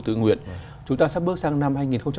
tự nguyện chúng ta sắp bước sang năm